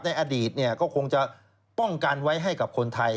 ในอดีตก็คงจะป้องกันไว้ให้กับคนไทย